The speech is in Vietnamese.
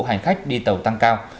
hành khách đi tàu tăng cao